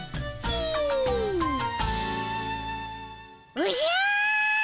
おじゃ！